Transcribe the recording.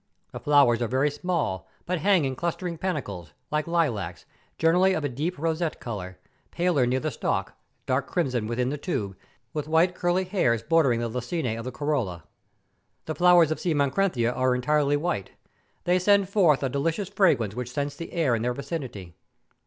Tlie flowers are very small, but hang in clustering panicles, like lilacs, generally of a deep roseate colour, paler near the stalk, dark crimson within the tube, with white curly hairs bordering the lacinije of the corolla. The flowers of (7. micrantha are entirely white. They 308 MOUNTAIN ADVENTURES. send forth a delicious fragrance which scents the air in their vicinity.